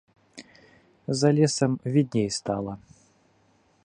За лесам відней стала.